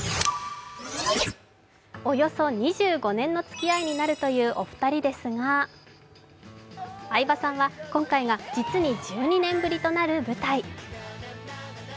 およそ２５年のつきあいになるというお二人ですが相葉さんは今回が実に１２年ぶりとなる舞台。